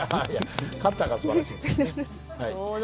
カッターがすばらしいんです。